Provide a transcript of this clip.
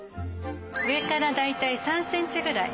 上から大体３ｃｍぐらい。